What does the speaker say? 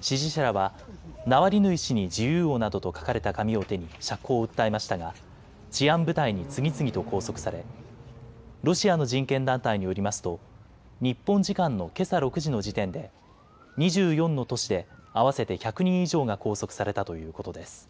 支持者らはナワリヌイ氏に自由をなどと書かれた紙を手に釈放を訴えましたが治安部隊に次々と拘束されロシアの人権団体によりますと日本時間のけさ６時の時点で２４の都市で合わせて１００人以上が拘束されたということです。